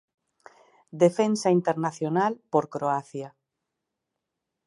Defensa internacional por Croacia.